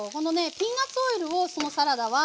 ピーナツオイルをそのサラダは。